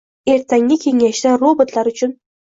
Ertangi kengashda robotlar uchun